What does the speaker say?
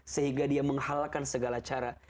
sehingga dia menghalakan segala cara